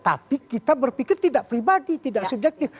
tapi kita berpikir tidak pribadi tidak subjektif